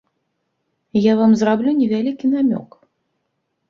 Я вам зраблю невялікі намёк.